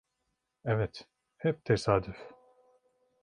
Evet, hep tesadüf…